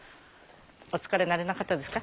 お疲れにならなかったですか？